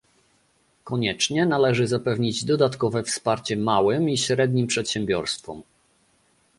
Koniecznie należy zapewnić dodatkowe wsparcie małym i średnim przedsiębiorstwom